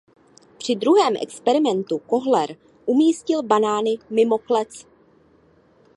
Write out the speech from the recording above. Při druhém experimentu Köhler umístil banány mimo klec.